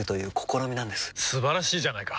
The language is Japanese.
素晴らしいじゃないか！